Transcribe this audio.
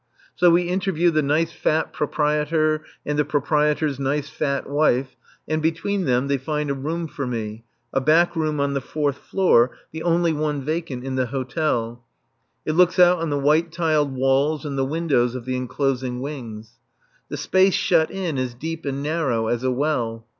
So we interview the nice fat propriétaire, and the propriétaire's nice fat wife, and between them they find a room for me, a back room on the fourth floor, the only one vacant in the hotel; it looks out on the white tiled walls and the windows of the enclosing wings. The space shut in is deep and narrow as a well.